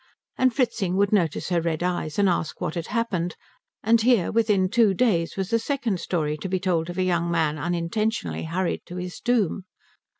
And Fritzing would notice her red eyes and ask what had happened; and here within two days was a second story to be told of a young man unintentionally hurried to his doom.